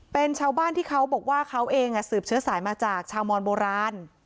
เป็นชาวบ้านที่เขาบอกว่าเขาเองสืบเชื้อสายมาจากชาวมอนโบราณ